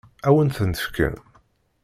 Ad wen-tent-fken?